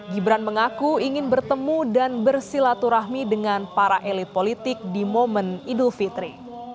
gibran mengaku ingin bertemu dan bersilaturahmi dengan para elit politik di momen idul fitri